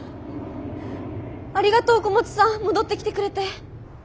ありがとう小松さん戻ってきてくれて。